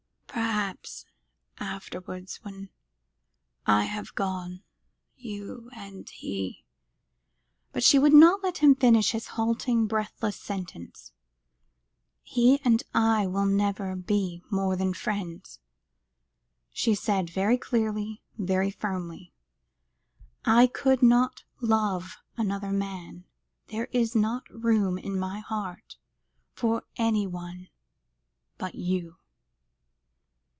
"Perhaps afterwards when I have gone you and he " But she would not let him finish his halting, breathless sentence. "He and I will never be more than friends," she said, very clearly, very firmly. "I could not love another man. There is not room in my heart for anyone but you."